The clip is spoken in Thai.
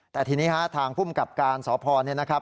แต่ทีนี้ทางพุ่งกับการสพนะครับ